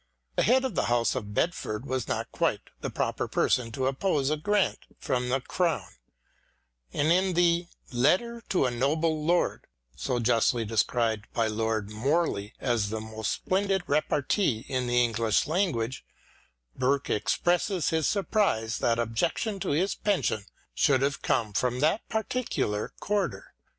The head of the house of Bedford was not quite the proper person to oppose a grant from the Crown, and in the " Letter to a Noble Lord," so justly described by Lord Morley as the most splendid repartee in the English language, Burke expresses his surprise that objection to his pension should have come from that particular quarter.